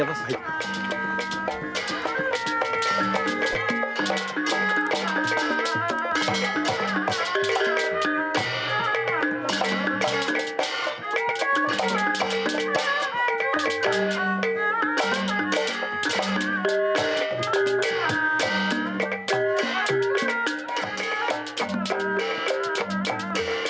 kalian tunggu sini ya